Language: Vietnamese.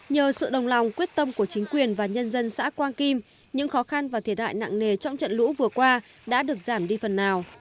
nhờ sự đồng lòng quyết tâm của chính quyền và nhân dân xã quang kim những khó khăn và thiệt hại nặng nề trong trận lũ vừa qua đã được giảm đi phần nào